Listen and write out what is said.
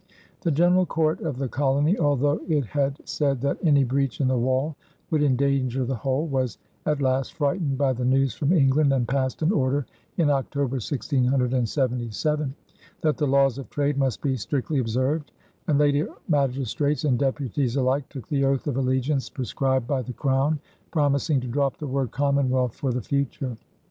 The general court of the colony, although it had said that "any breach in the wall would endanger the whole," was at last frightened by the news from England and passed an order in October, 1677, that the laws of trade must be strictly observed, and later magistrates and deputies alike took the oath of allegiance prescribed by the Crown, promising to drop the word "Commonwealth" for the future.